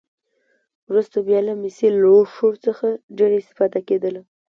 وروسته بیا له مسي لوښو څخه ډېره استفاده کېدله.